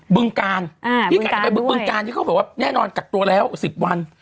บึงการว่าแน่นอนกักตัวแล้ว๑๐วัน